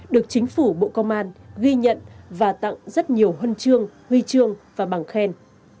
được chính phủ bộ công an ghi nhận và tặng rất nhiều hân trương huy trương và bằng khen